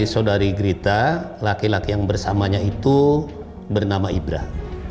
saudari grita laki laki yang bersamanya itu bernama ibrah